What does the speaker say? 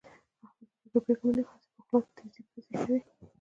احمد د جرگې پرېکړه مني، هسې په خوله ټزې پزې کوي.